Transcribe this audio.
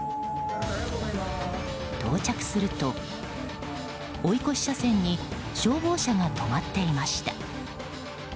到着すると、追い越し車線に消防車が止まっていました。